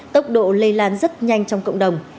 tốc độ lây lan rất nhanh trong cộng đồng